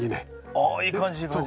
あいい感じいい感じ。